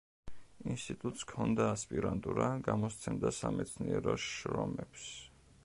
ინსტიტუტს ჰქონდა ასპირანტურა, გამოსცემდა სამეცნიერო „შრომებს“.